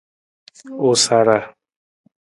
U sara.